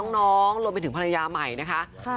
น้องรวมไปถึงภรรยาใหม่นะคะ